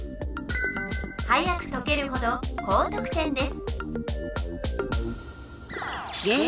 早く解けるほど高得点です